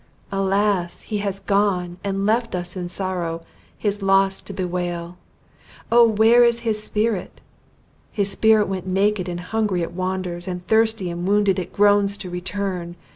Alas! he has gone! and left us in sorrow, his loss to bewail: Oh where is his spirit? His spirit went naked, and hungry it wanders, and thirsty and wounded it groans to return!